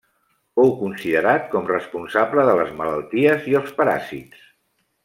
Fou considerat com responsable de les malalties i els paràsits.